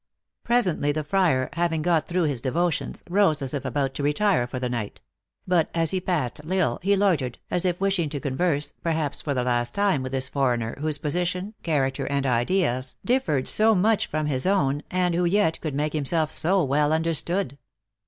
Presently the friar, having got through his devotions, rose as if about to retire for the night ; but, as he passed L Isle, he loitered, as if wishing to converse, perhaps for the last time, with this foreigner, whose position, character, and ideas, differed so much from his own, and who yet could make himself so well understood.